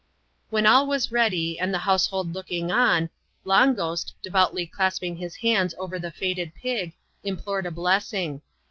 "When all was ready,' and the household looking on. Long Ghost, devoutly clasping his hands over the fated pig, implored a blessing.